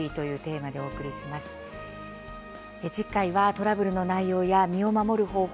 トラブルの内容や身を守る方法